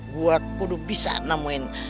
gua kudu bisa nemuin